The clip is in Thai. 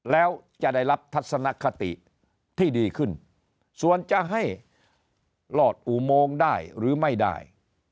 แล้วจะได้รับทัศนคติที่ดีขึ้นส่วนจะให้รอดอุโมงได้หรือไม่ได้